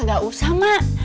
gak usah mak